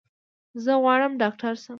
زه غواړم ډاکټر شم.